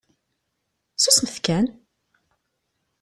Susmet kan!